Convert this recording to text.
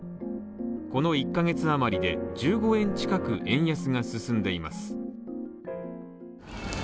この１ヶ月余りで１５円近く円安が進んでいます。